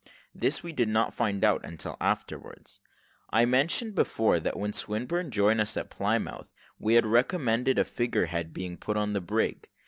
This we did not find out until afterwards. I mentioned before, that when Swinburne joined us at Plymouth, he had recommended a figure head being put on the brig.